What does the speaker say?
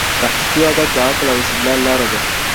تحقیقي ادب د عقل او استدلال لاره ده.